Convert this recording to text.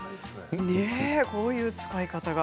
こういう使い方が。